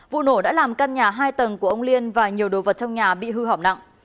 vụ nổ đã làm căn nhà hai tầng của ông liên và nhiều đồ vật trong nhà bị hư hỏng nặng